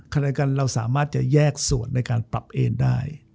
ขณะเดียวกันเราสามารถจะแยกส่วนในการปรับเอนได้